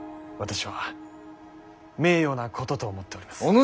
私は名誉なことと思っております。